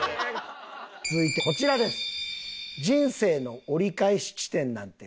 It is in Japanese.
続いてこちらです。